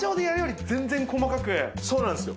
そうなんですよ。